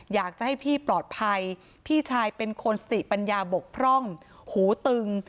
อยากจะให้พี่ปลอดภัยพี่ชายเป็นคนสติปัญญาบกพร่องหูตึง